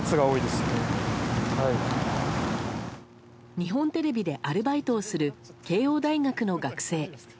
日本テレビでアルバイトをする慶應大学の学生。